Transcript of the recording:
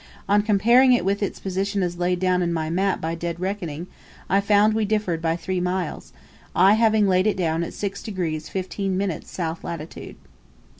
On comparing it with its position as laid down in my map by dead reckoning, I found we differed by three miles; I having laid it down at 6 degrees 15 minutes south latitude.